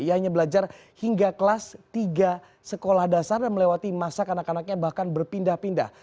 ia hanya belajar hingga kelas tiga sekolah dasar dan melewati masa kanak kanaknya bahkan berpindah pindah